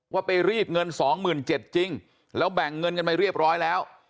ไปรีดเงิน๒๗๐๐จริงแล้วแบ่งเงินกันไปเรียบร้อยแล้ว